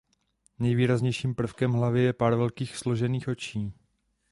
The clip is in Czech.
Nejvýraznějším prvkem hlavy je pár velkých složených očí.